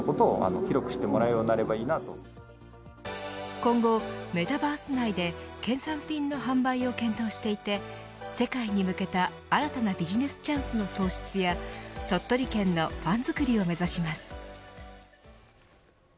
今後、メタバース内で県産品の販売を検討していて世界に向けた新たなビジネスチャンスの創出や鳥取県のファンづくりを目指します。